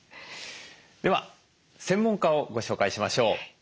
では専門家をご紹介しましょう。